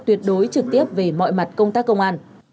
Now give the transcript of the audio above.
tuyệt đối trực tiếp về mọi mặt công tác công an